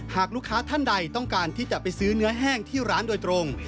หากลูกค้าท่านใดต้องการที่จะไปซื้อเนื้อแห้งที่ร้านโดยตรง